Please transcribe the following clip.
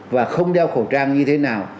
và không đeo khẩu trang như thế nào